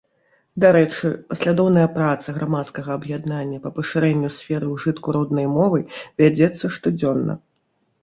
Дарэчы, паслядоўная праца грамадскага аб'яднання па пашырэнню сферы ўжытку роднай мовы вядзецца штодзённа.